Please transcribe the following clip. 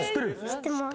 知ってます。